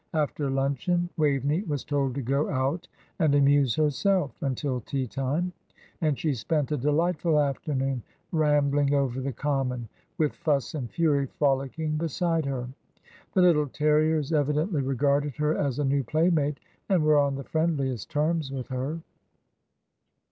After luncheon Waveney was told to go out and amuse herself until tea time, and she spent a delightful afternoon rambling over the common, with Fuss and Fury frolicking beside her. The little terriers evidently regarded her as a new playmate, and were on the friendliest terms with her.